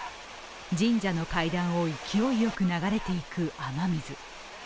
神社の階段を勢いよく流れていく雨水。